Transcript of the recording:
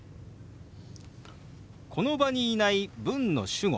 この場にいない文の主語